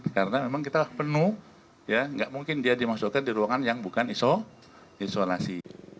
karena memang kita penuh ya nggak mungkin dia dimasukkan di ruangan yang bukan iso iso nasi